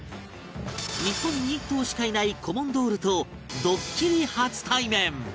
日本に１頭しかいないコモンドールとドッキリ初対面